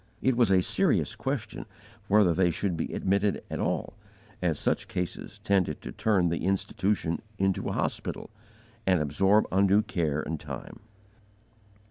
It was a serious question whether they should be admitted at all, as such cases tended to turn the institution into a hospital, and absorb undue care and time.